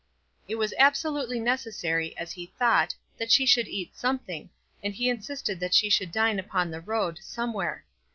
It was absolutely necessary, as he thought, that she should eat something, and he insisted that she should dine upon the road, somewhere.